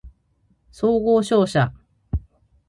総合商社